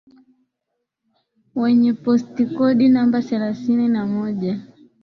wenye postikodi namba thelathini na moja